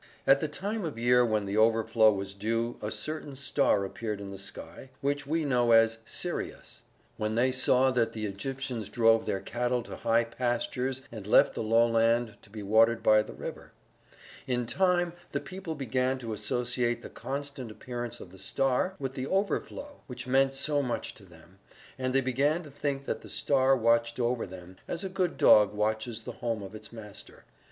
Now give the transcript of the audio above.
At the time of year when the overflow was due a certain star appeared in the sky, which we know as Sirius. When they saw that the Egyptians drove their cattle to high pastures and left the lowland to be watered by the river. In time the people began to associate the constant appearance of the star with the overflow which meant so much to them, and they began to think that the star watched over them, as a good dog watches the home of its master.